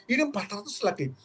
ini empat ratus lagi